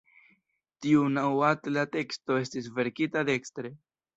Tiu naŭatla teksto estis verkita dekstre.